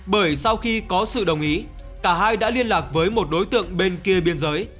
bởi sau khi có sự đồng ý cả hai đã liên lạc với một đối tượng bên kia biên giới